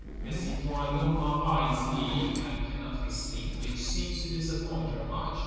The Citoyen Marat is ill, and cannot be seen; which seems to disappoint her much.